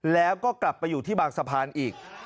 แล้วก็กลับไปอยู่ที่บางสะพานอีก